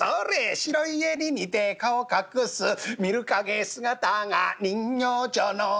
「白い襟にて顔隠す」「見る影姿が人形町のソレ」